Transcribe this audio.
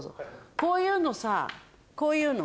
こういうのさこういうの。